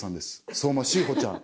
相馬しほちゃん